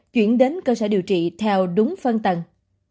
chuyển đến cơ sở điều trị theo đúng phân tầng